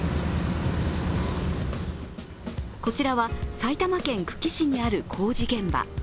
こちらは埼玉県久喜市にある工事現場。